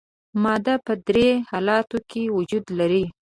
ماده په درې حالتونو کې وجود لري.